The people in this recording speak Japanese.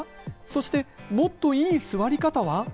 そしてもっといい座り方は？